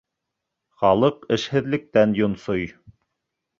Халыҡ эшһеҙлектән йонсой.